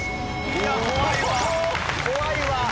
いや怖いわ怖いわ。